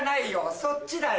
そっちだよ。